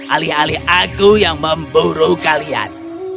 alih alih aku yang memburu kalian